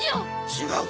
違う！